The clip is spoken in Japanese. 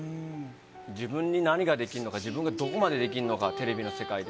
自分に何ができんのか、自分がどこまでできるのか、テレビの世界で。